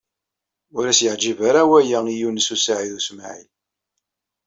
Ur as-yeɛǧib ara waya i Yunes u Saɛid u Smaɛil.